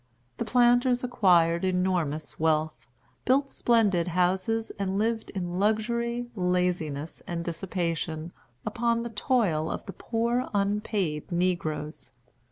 The planters acquired enormous wealth, built splendid houses, and lived in luxury, laziness, and dissipation, upon the toil of the poor unpaid negroes.